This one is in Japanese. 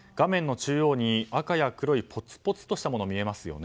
中央に赤や黒いポツポツとしたもの見えますよね。